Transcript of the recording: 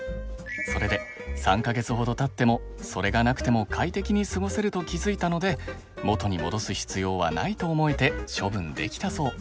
それで３か月ほどたってもそれがなくても快適に過ごせると気づいたので元に戻す必要はないと思えて処分できたそう。